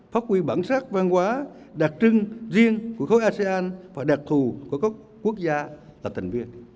phát huy bản sắc văn hóa đặc trưng riêng của khối asean và đặc thù của các quốc gia là thành viên